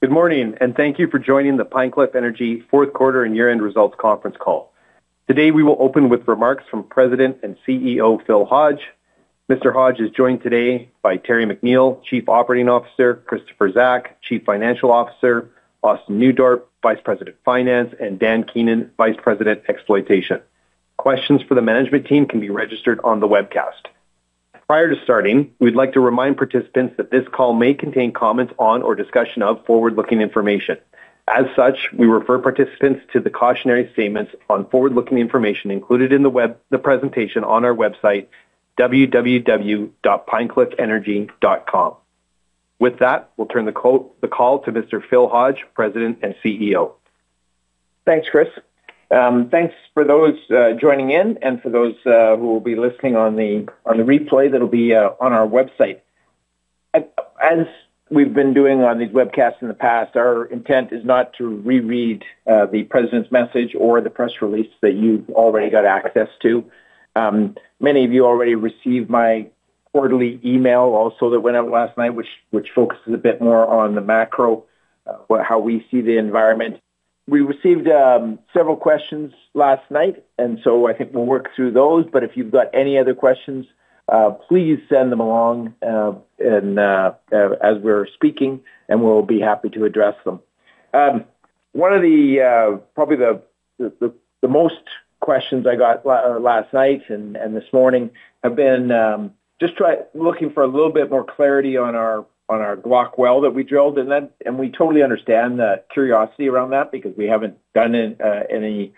Good morning, thank you for joining the Pine Cliff Energy fourth quarter and year-end results conference call. Today, we will open with remarks from President and CEO, Phil Hodge. Mr. Hodge is joined today by Terry McNeill, Chief Operating Officer, Kristopher Zack, Chief Financial Officer, Austin Nieuwdorp, Vice President of Finance, and Dan Keenan, Vice President Exploitation. Questions for the management team can be registered on the webcast. Prior to starting, we'd like to remind participants that this call may contain comments on or discussion of forward-looking information. We refer participants to the cautionary statements on forward-looking information included in the presentation on our website, www.pinecliffenergy.com. We'll turn the call to Mr. Phil Hodge, President and CEO. Thanks, Chris. Thanks for those joining in and for those who will be listening on the replay that'll be on our website. As we've been doing on these webcasts in the past, our intent is not to reread the President's message or the press release that you've already got access to. Many of you already received my quarterly email also that went out last night, which focuses a bit more on the macro, how we see the environment. We received several questions last night. I think we'll work through those. If you've got any other questions, please send them along and as we're speaking, and we'll be happy to address them. One of the probably the most questions I got last night and this morning have been looking for a little bit more clarity on our Glauconite well that we drilled. We totally understand the curiosity around that because we haven't done any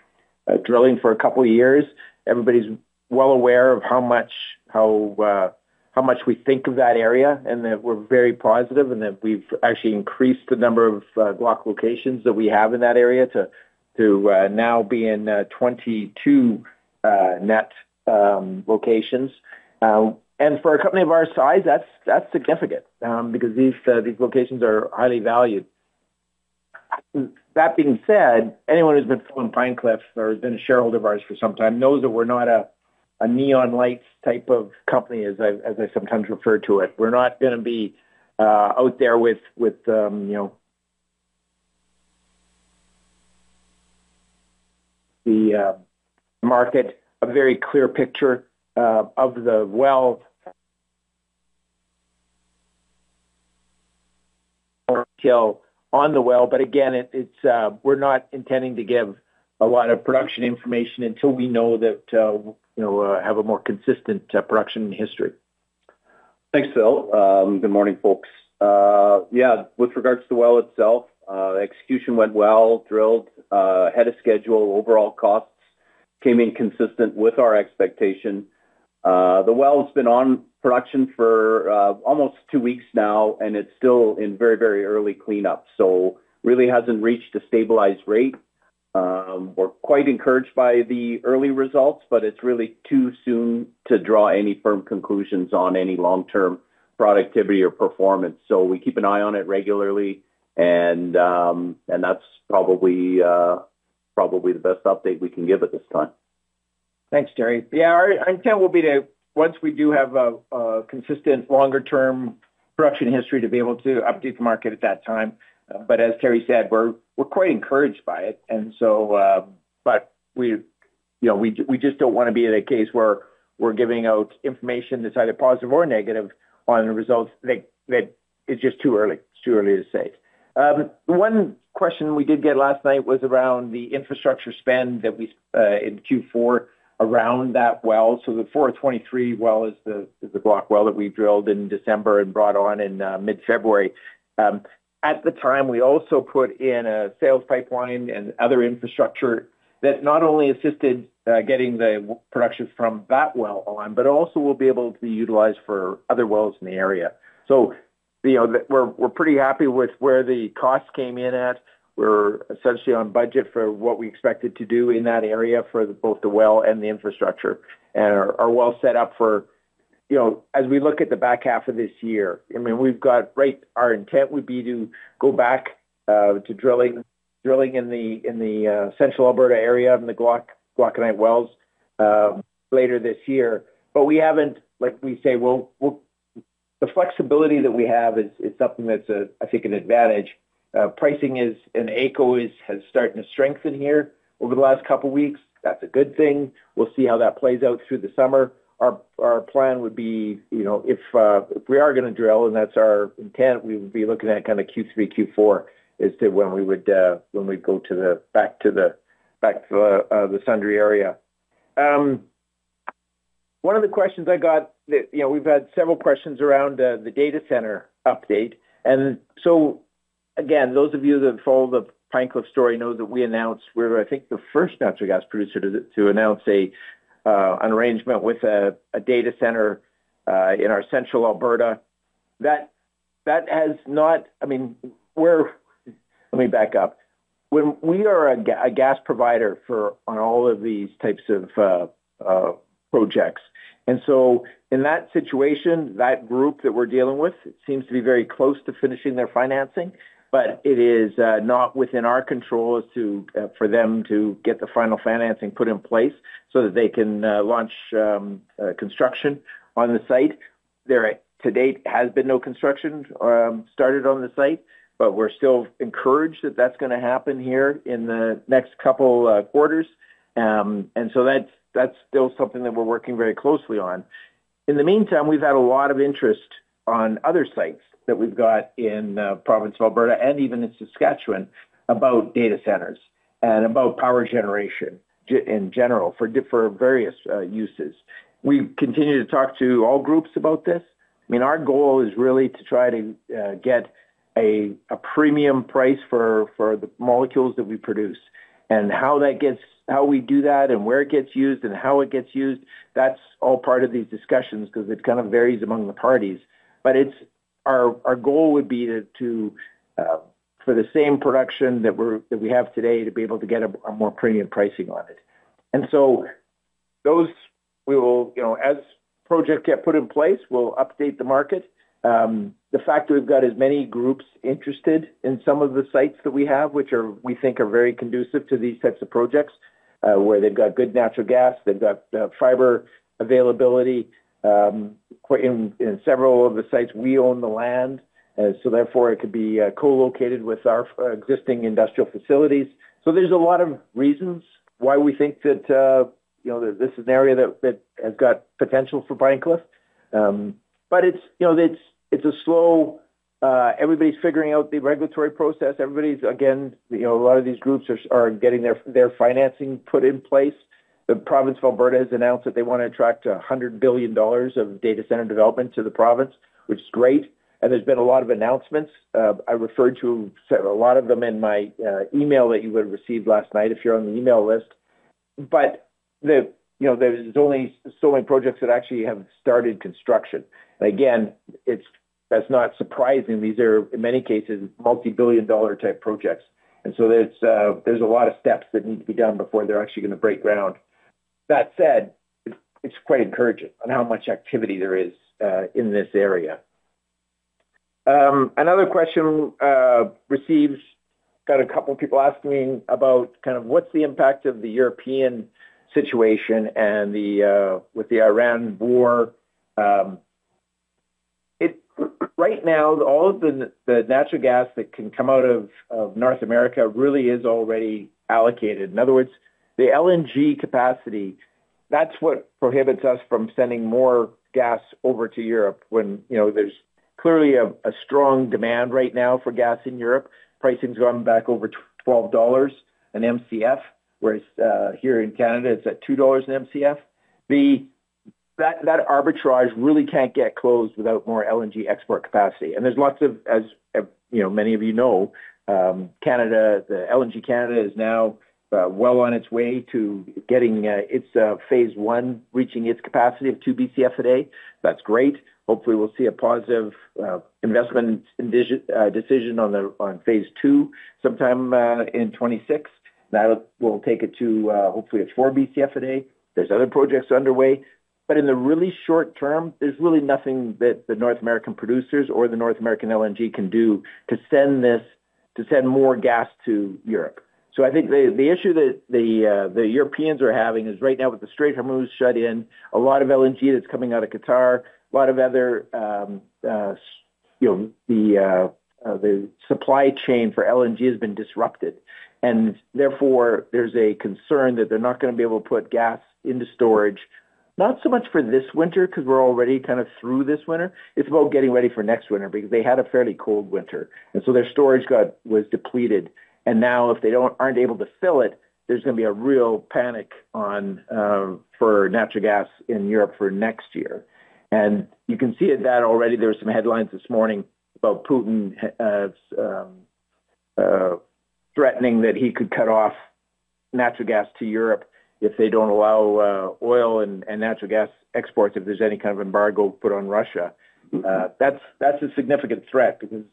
drilling for a couple of years. Everybody's well aware of how much we think of that area, and that we're very positive, and that we've actually increased the number of Glauconite locations that we have in that area to now be in 22 net locations. For a company of our size, that's significant, because these locations are highly valued. That being said, anyone who's been following Pine Cliff or has been a shareholder of ours for some time, knows that we're not a neon lights type of company, as I sometimes refer to it. We're not gonna be out there with, you know the market, a very clear picture of the wealth or kill on the well. Again, it's, we're not intending to give a lot of production information until we know that we'll have a more consistent production history. Thanks, Phil. Good morning, folks. With regards to the well itself, execution went well, drilled ahead of schedule. Overall costs came in consistent with our expectation. The well's been on production for almost two weeks now, and it's still in very, very early cleanup, so really hasn't reached a stabilized rate. We're quite encouraged by the early results, but it's really too soon to draw any firm conclusions on any long-term productivity or performance. We keep an eye on it regularly, and that's probably the best update we can give at this time. Thanks, Terry. Yeah, our intent will be to once we do have a consistent longer-term production history to be able to update the market at that time. As Terry said, we're quite encouraged by it. We, you know, we just don't wanna be in a case where we're giving out information that's either positive or negative on the results that. It's just too early. It's too early to say. One question we did get last night was around the infrastructure spend that we in Q4 around that well. The 4-23 well is the Glauconite well that we drilled in December and brought on in mid-February. At the time, we also put in a sales pipeline and other infrastructure that not only assisted getting the production from that well alone, but also will be able to be utilized for other wells in the area. You know, we're pretty happy with where the costs came in at. We're essentially on budget for what we expected to do in that area for both the well and the infrastructure, and are well set up for, you know, as we look at the back half of this year. I mean, our intent would be to go back to drilling in the Central Alberta area in the Glauconite wells later this year. Like we say, the flexibility that we have is something that's, I think, an advantage. Pricing is, and AECO has started to strengthen here over the last couple of weeks. That's a good thing. We'll see how that plays out through the summer. Our plan would be, you know, if we are gonna drill, and that's our intent, we would be looking at kinda Q3, Q4 as to when we would back to the Sundre area. One of the questions I got, you know, we've had several questions around the data center update. Again, those of you that follow the Pine Cliff story know that we announced we're, I think, the first natural gas producer to announce an arrangement with a data center in our Central Alberta. That has not... I mean, Let me back up. We are a gas provider for on all of these types of projects. In that situation, that group that we're dealing with seems to be very close to finishing their financing, it is not within our control as to for them to get the final financing put in place so that they can launch construction on the site. There to date has been no construction started on the site, we're still encouraged that that's gonna happen here in the next two quarters. That's still something that we're working very closely on. In the meantime, we've had a lot of interest on other sites that we've got in Province of Alberta and even in Saskatchewan about data centers and about power generation in general for various uses. We continue to talk to all groups about this. I mean, our goal is really to try to get a premium price for the molecules that we produce. How we do that and where it gets used and how it gets used, that's all part of these discussions 'cause it kind of varies among the parties. Our, our goal would be to for the same production that we have today, to be able to get a more premium pricing on it. Those we will, you know, as project get put in place, we'll update the market. The fact that we've got as many groups interested in some of the sites that we have, which are, we think, are very conducive to these types of projects, where they've got good natural gas, they've got fiber availability, in several of the sites we own the land. Therefore, it could be co-located with our existing industrial facilities. There's a lot of reasons why we think that, you know, this is an area that has got potential for Birchcliff. It's, you know, it's a slow, everybody's figuring out the regulatory process. Everybody's again, you know, a lot of these groups are getting their financing put in place. The province of Alberta has announced that they wanna attract 100 billion dollars of data center development to the province, which is great. There's been a lot of announcements. I referred to a lot of them in my email that you would've received last night if you're on the email list. The, you know, there's only so many projects that actually have started construction. Again, that's not surprising. These are, in many cases, multi-billion dollar type projects. So there's a lot of steps that need to be done before they're actually gonna break ground. That said, it's quite encouraging on how much activity there is in this area. Another question receives. Got a couple people asking about kind of what's the impact of the European situation and the with the Iran war. Right now, all of the natural gas that can come out of North America really is already allocated. In other words, the LNG capacity, that's what prohibits us from sending more gas over to Europe when, you know, there's clearly a strong demand right now for gas in Europe. Pricing's gone back over 12 dollars an Mcf, whereas here in Canada, it's at 2 dollars an Mcf. That arbitrage really can't get closed without more LNG export capacity. There's lots of, as, you know, many of you know, Canada, the LNG Canada is now well on its way to getting its phase one, reaching its capacity of 2 Bcf a day. That's great. Hopefully, we'll see a positive investment decision on phase two sometime in 2026. That'll take it to, hopefully, it's 4 Bcf a day. There's other projects underway. In the really short term, there's really nothing that the North American producers or the North American LNG can do to send more gas to Europe. I think the issue that the Europeans are having is right now with the Strait of Hormuz shut in, a lot of LNG that's coming out of Qatar, a lot of other, you know, the supply chain for LNG has been disrupted. Therefore, there's a concern that they're not gonna be able to put gas into storage, not so much for this winter, 'cause we're already kind of through this winter. It's about getting ready for next winter because they had a fairly cold winter, and so their storage was depleted. Now if they aren't able to fill it, there's gonna be a real panic on for natural gas in Europe for next year. You can see it that already there were some headlines this morning about Putin threatening that he could cut off natural gas to Europe if they don't allow oil and natural gas exports if there's any kind of embargo put on Russia. That's a significant threat because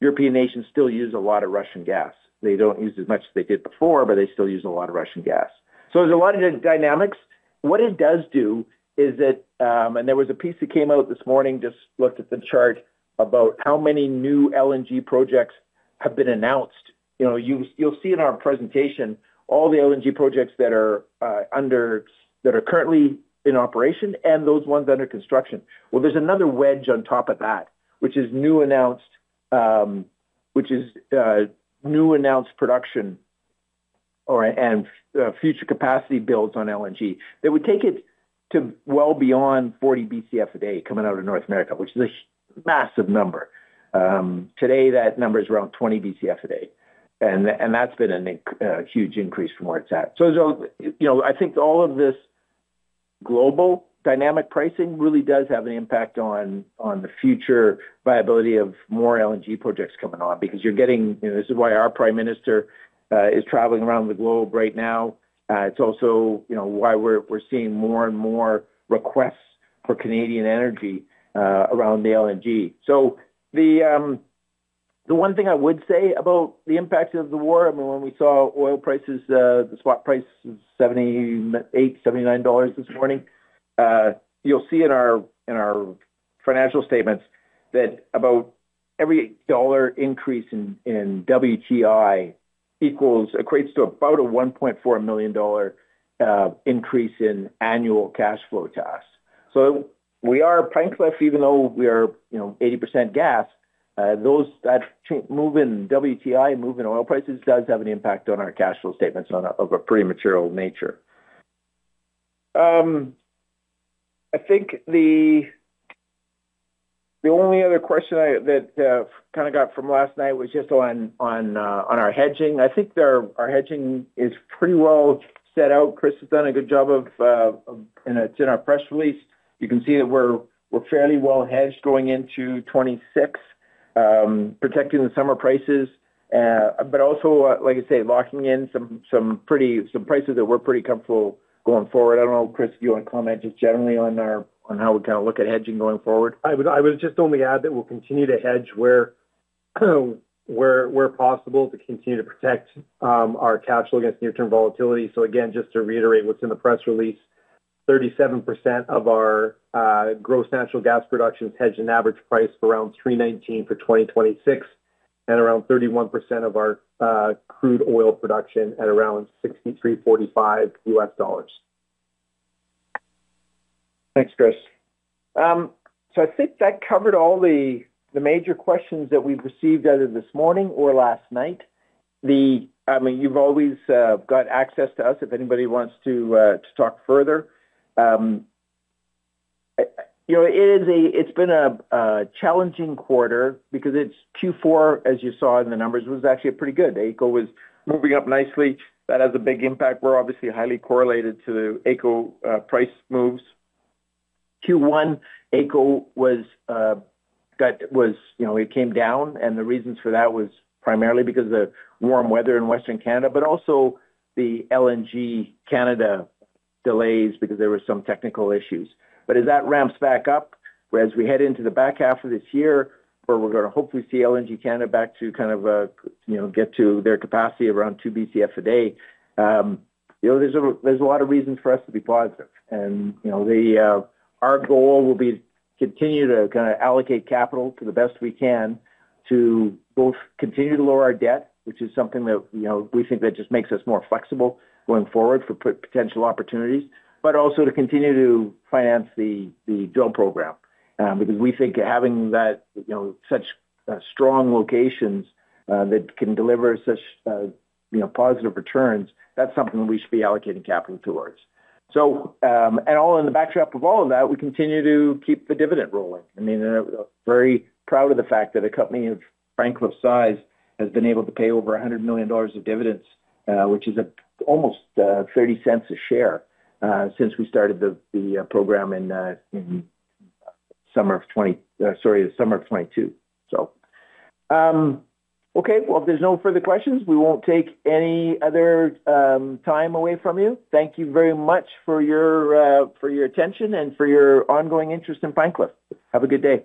European nations still use a lot of Russian gas. They don't use as much as they did before, but they still use a lot of Russian gas. There's a lot of dynamics. What it does do is that. There was a piece that came out this morning, just looked at the chart about how many new LNG projects have been announced. You know, you'll see in our presentation all the LNG projects that are that are currently in operation and those ones under construction. Well, there's another wedge on top of that, which is new announced, which is new announced production or/and future capacity builds on LNG. That would take it to well beyond 40 Bcf a day coming out of North America, which is a massive number. Today, that number is around 20 Bcf a day. That's been a huge increase from where it's at. There's, you know, I think all of this global dynamic pricing really does have an impact on the future viability of more LNG projects coming on because you're getting, you know, this is why our prime minister is traveling around the globe right now. It's also, you know, why we're seeing more and more requests for Canadian energy around the LNG. The one thing I would say about the impact of the war, I mean, when we saw oil prices, the swap price was $78-$79 this morning, you'll see in our financial statements that about every dollar increase in WTI equates to about a $1.4 million increase in annual cash flow to us. We are ranked left even though we are, you know, 80% gas. Those that move in WTI, move in oil prices does have an impact on our cash flow statements of a pretty material nature. I think the only other question that kinda got from last night was just on our hedging. I think our hedging is pretty well set out. Chris has done a good job of. It's in our press release. You can see that we're fairly well hedged going into 2026, protecting the summer prices, but also, like I say, locking in some prices that we're pretty comfortable going forward. I don't know, Kris, if you wanna comment just generally on how we kinda look at hedging going forward. I would just only add that we'll continue to hedge where possible to continue to protect our cash flow against near term volatility. Again, just to reiterate what's in the press release, 37% of our gross natural gas production is hedged an average price around 3.19 for 2026, and around 31% of our crude oil production at around $63.45. Thanks, Kris. I think that covered all the major questions that we've received either this morning or last night. I mean, you've always got access to us if anybody wants to talk further. you know, it's been a challenging quarter because it's Q4, as you saw in the numbers, was actually pretty good. AECO was moving up nicely. That has a big impact. We're obviously highly correlated to AECO price moves. Q1 AECO was, you know, it came down, the reasons for that was primarily because of the warm weather in Western Canada, but also the LNG Canada delays because there were some technical issues. As that ramps back up, whereas we head into the back half of this year, where we're going to hopefully see LNG Canada back to kind of, you know, get to their capacity around 2 Bcf a day, you know, there's a, there's a lot of reasons for us to be positive. You know, our goal will be continue to kind of allocate capital to the best we can to both continue to lower our debt, which is something that, you know, we think that just makes us more flexible going forward for potential opportunities, but also to continue to finance the drill program. Because we think having that, you know, such strong locations that can deliver such, you know, positive returns, that's something we should be allocating capital towards. And all in the backdrop of all of that, we continue to keep the dividend rolling. I mean, very proud of the fact that a company of Pine Cliff's size has been able to pay over 100 million dollars of dividends, which is almost 0.30 a share, since we started the program in summer of 2022. Okay. If there's no further questions, we won't take any other time away from you. Thank you very much for your attention and for your ongoing interest in Pine Cliff. Have a good day.